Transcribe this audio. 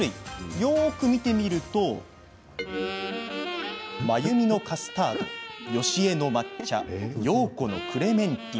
よく見てみると真由美のカスタードよしえの抹茶陽子のクレメンティン